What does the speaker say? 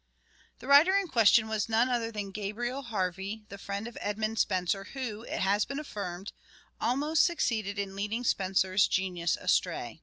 Gabriel $& The writer in question was none other than Gabriel Harvey, the friend of Edmund Spenser, who, it has been affirmed, almost succeeded in leading Spenser's genius astray.